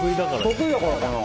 得意だからかな？